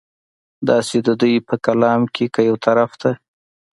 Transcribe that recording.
دغسې د دوي پۀ کلام کښې کۀ يو طرف ته